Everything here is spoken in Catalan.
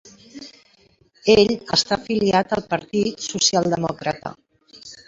Ell està afiliat al Partit Socialdemòcrata.